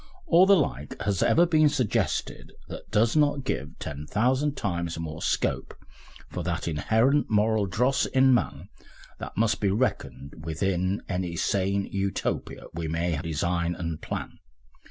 ] or the like has ever been suggested that does not give ten thousand times more scope for that inherent moral dross in man that must be reckoned with in any sane Utopia we may design and plan....